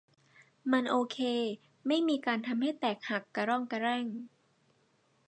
มันโอเค ไม่มีการทำให้แตกหักกะร่องกะแร่ง